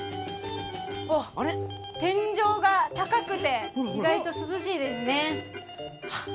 おっ天井が高くて意外と涼しいですねあっ